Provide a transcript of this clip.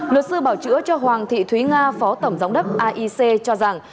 luật sư bảo chữa cho hoàng thị thúy nga phó tổng giám đốc aic cho rằng